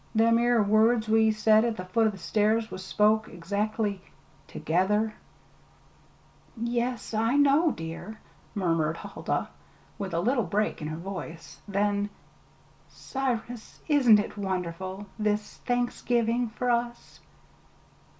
Them 'ere words we said at the foot of the stairs was spoke exactly together!" "Yes, I know, dear," murmured Huldah, with a little break in her voice. Then: "Cyrus, ain't it wonderful this Thanksgiving, for us?"